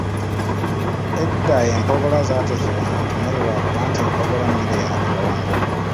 Edda empogola zaatekebwanga ku mmere lwa kuba nti empogola mmere ya Balongo.